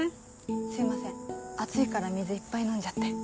すいません暑いから水いっぱい飲んじゃって。